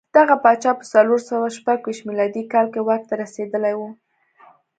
دغه پاچا په څلور سوه شپږ ویشت میلادي کال کې واک ته رسېدلی و.